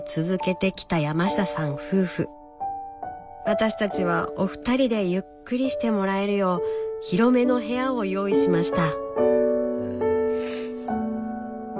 私たちはお二人でゆっくりしてもらえるよう広めの部屋を用意しました。